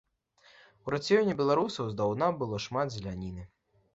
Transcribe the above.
У рацыёне беларусаў здаўна было шмат зеляніны.